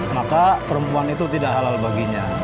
maka perempuan itu tidak halal baginya